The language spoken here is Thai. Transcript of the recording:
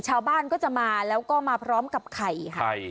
ชาวบ้านก็จะมาแล้วก็มาพร้อมกับไข่ค่ะ